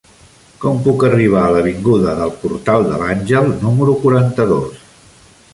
Com puc arribar a l'avinguda del Portal de l'Àngel número quaranta-dos?